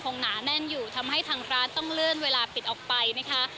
หนาแน่นอยู่ทำให้ทางร้านต้องเลื่อนเวลาปิดออกไปนะคะ